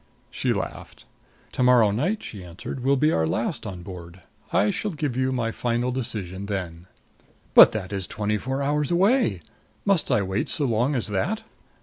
She laughed. "To morrow night," she answered, "will be our last on board. I shall give you my final decision then." "But that is twenty four hours away! Must I wait so long as that?"